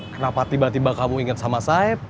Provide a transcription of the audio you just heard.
kenapa tiba tiba kamu inget sama saeb